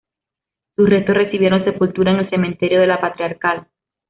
Sus restos recibieron sepultura en el cementerio de la Patriarcal.